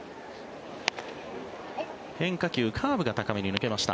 変化球、カーブが高めに抜けました。